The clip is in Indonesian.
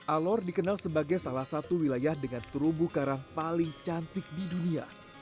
alor dikenal sebagai salah satu wilayah dengan terumbu karang paling cantik di dunia